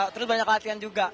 terus banyak latihan juga